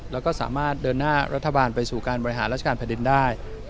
แล้วก็สามารถเดินหน้ารัฐบาลไปสู่การบริหารราชการแผ่นดินได้